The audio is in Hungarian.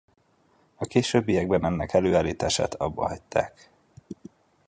A későbbiekben ennek előállítását abbahagyták.